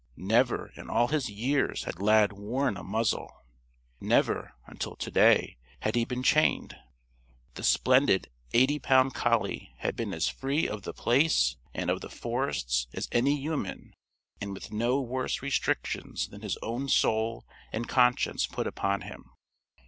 Never in all his years had Lad worn a muzzle. Never, until to day, had he been chained. The splendid eighty pound collie had been as free of The Place and of the forests as any human; and with no worse restrictions than his own soul and conscience put upon him.